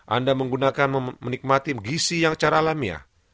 anda menggunakan menikmati gisi yang secara alamiah